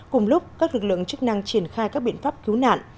cùng lúc các lực lượng chức năng triển khai các biện pháp cứu nạn